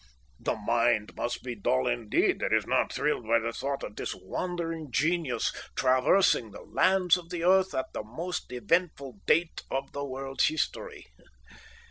The mind must be dull indeed that is not thrilled by the thought of this wandering genius traversing the lands of the earth at the most eventful date of the world's history.